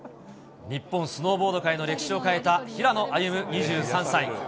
日本スノーボード界の歴史を変えた平野歩夢２３歳。